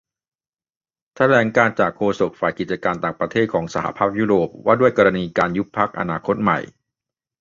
แถลงการจากโฆษกฝ่ายกิจการต่างประเทศของสหภาพยุโรปว่าด้วยกรณีของการ ยุบพรรคอนาคตใหม่